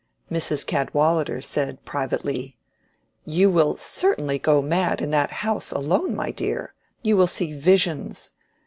Mrs. Cadwallader said, privately, "You will certainly go mad in that house alone, my dear. You will see visions.